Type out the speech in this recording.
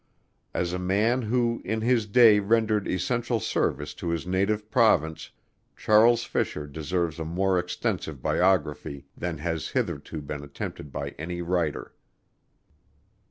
As a man who in his day rendered essential service to his native province, Charles Fisher deserves a more extensive biography than has hitherto been attempted by any writer.